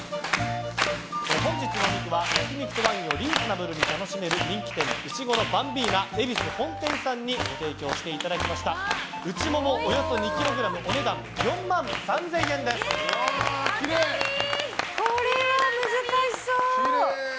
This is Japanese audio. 本日のお肉は焼き肉とワインをリーズナブルに楽しめる大人気店うしごろバンビーナ恵比寿本店さんにご提供していただきましたうちもも、およそ２ｋｇこれは難しそう。